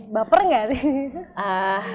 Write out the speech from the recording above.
baper ga sih